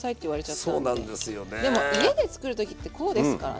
でも家で作る時ってこうですからね。